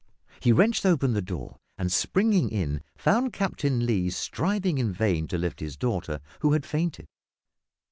He wrenched open the door, and, springing in, found Captain Lee striving in vain to lift his daughter, who had fainted.